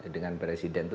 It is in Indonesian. dengan presiden itu